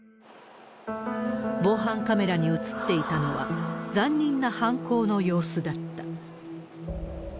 防犯カメラに映っていたのは、残忍な犯行の様子だった。